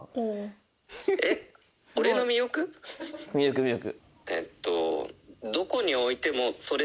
魅力魅力。